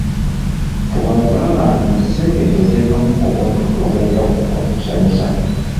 Fuba okulaba nti mu kisenge kyo oteekamu obuntuntu obw‘enjawulo obukusanyusa.